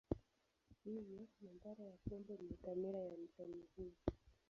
Hivyo, madhara ya pombe ni dhamira ya msanii huyo.